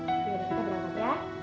kita berangkat ya